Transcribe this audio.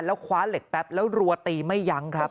แล้วคว้าเหล็กแป๊บแล้วรัวตีไม่ยั้งครับ